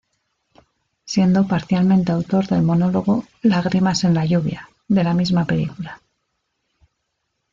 Siendo parcialmente autor del monólogo "Lágrimas en la lluvia" de la misma película.